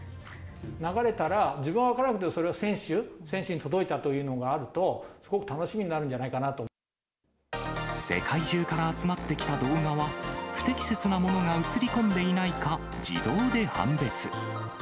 流れたら、自分は分からなくても、選手に届いたというのがあると、すごく楽しみになるんじゃないか世界中から集まってきた動画は、不適切なものが映り込んでいないか自動で判別。